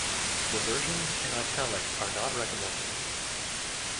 The versions in italics are not recommended.